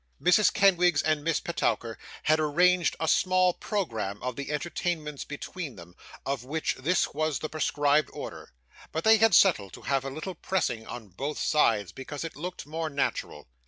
Mrs. Kenwigs and Miss Petowker had arranged a small PROGRAMME of the entertainments between them, of which this was the prescribed order, but they had settled to have a little pressing on both sides, because it looked more natural.